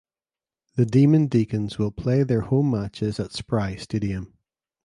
The Demon Deacons will play their home matches at Spry Stadium.